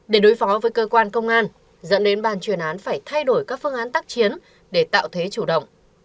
để đối phó với cơ quan công an dẫn đến ban chuyên án phải thay đổi các phương án tác chiến để tạo thế chủ động